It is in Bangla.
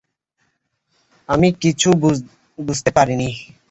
আমি কিছু বুঝতে পারি নি।